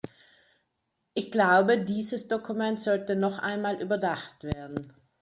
Ich glaube, dieses Dokument sollte noch einmal überdacht werden.